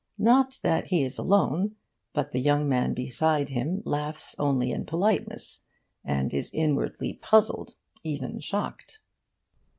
Not that he is alone; but the young man beside him laughs only in politeness and is inwardly puzzled, even shocked.